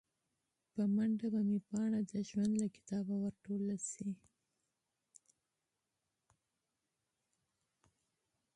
په منډه به مې پاڼه د ژوند له کتابه ور ټوله شي